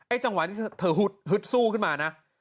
จังหวะที่เธอฮึดสู้ขึ้นมานะ